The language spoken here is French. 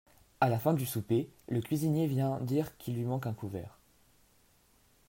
A la fin du souper, le cuisinier vient dire qu'il lui manque un couvert.